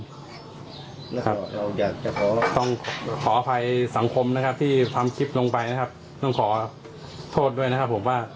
ว่าเราต้องขออภัยสังคมที่ทำคลิปลงไปต้องขอโทษด้วยนะครับผม